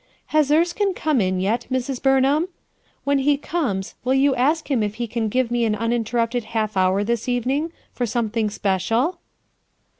"Has Erekine come in yet, Mrs. Bumham? When he comes, will you ask him if he can give me an uninterrupted half hour thin evening for something special?"